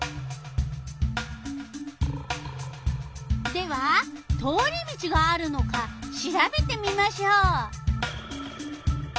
では通り道があるのかしらべてみましょう。